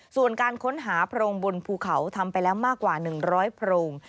ส่วนการค้นหาโพรงบนภูเขาทำไปแล้วมากกว่า๑๐๐โพรง